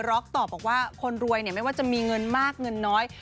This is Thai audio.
็อกตอบบอกว่าคนรวยไม่ว่าจะมีเงินมากเงินน้อย